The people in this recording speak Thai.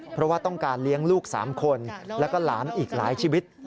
เพราะว่าต้องการเลี้ยงลูก๓คนแล้วก็หลานอีกหลายชีวิต